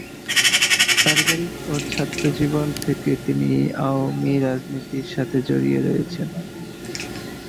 পারিবারিক ও ছাত্রজীবন থেকে তিনি আওয়ামী রাজনীতির সাথে জড়িয়ে রয়েছেন।